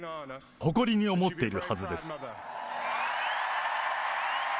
誇りに思っているはずです。